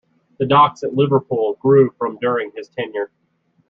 The docks at Liverpool grew from during his tenure.